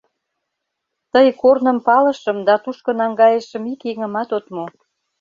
Тый корным палышым да тушко наҥгайышым ик еҥымат от му“.